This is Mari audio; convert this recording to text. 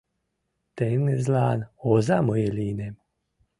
Теҥызлан оза мые лийнем